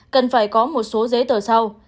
cần phải có một số giấy tờ sau